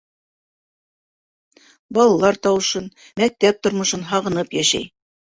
Балалар тауышын, мәктәп тормошон һағынып йәшәй.